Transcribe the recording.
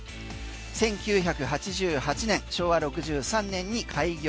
１９８８年、昭和６３年に開業。